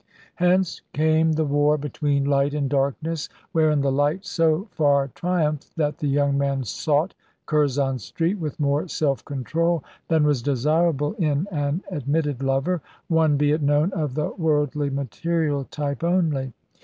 Hence came the war between light and darkness, wherein the light so far triumphed that the young man sought Curzon Street with more self control than was desirable in an admitted lover one, be it known, of the worldly, material type only.